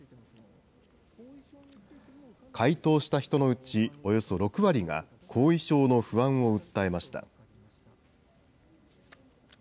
回答した人のうち、およそ６割が後遺症の不安を訴えました。